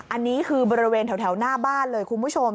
อันนี้คือบริเวณแถวหน้าบ้านเลยคุณผู้ชม